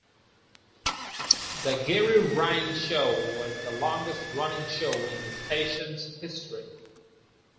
"The Gerry Ryan Show" was the longest running show in the station's history.